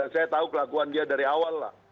saya tahu kelakuan dia dari awal lah